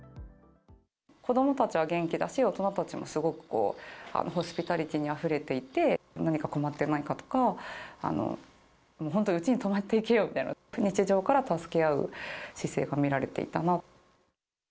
子どもたちは元気だし、大人たちもすごくこう、ホスピタリティーにあふれていて、何か困ってないかとか、本当、うちに泊まっていけよみたいな、日常から助け合う姿勢が見られていたな。